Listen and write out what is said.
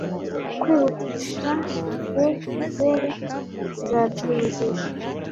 kwihutisha ye jyewe nzabyihutisha